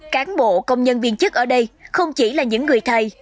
cán bộ công nhân viên chức ở đây không chỉ là những người thầy